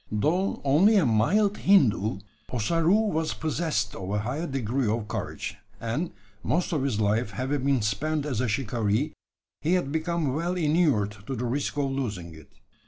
Though only a "mild Hindoo," Ossaroo was possessed of a high degree of courage; and, most of his life having been spent as a shikaree, he had become well inured to the risk of losing it.